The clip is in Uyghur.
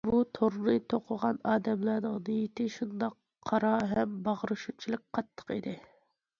بۇ تورنى توقۇغان ئادەملەرنىڭ نىيىتى شۇنداق قارا ھەم باغرى شۇنچىلىك قاتتىق ئىدى.